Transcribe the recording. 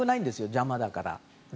邪魔だから。